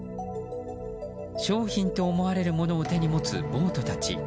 商品と思われるものを手に持つ暴徒たち。